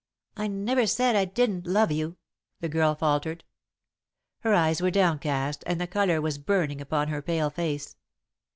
"I never said I didn't love you," the girl faltered. Her eyes were downcast and the colour was burning upon her pale face.